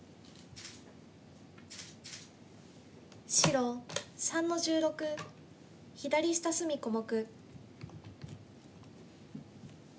白３の十六左下隅小目。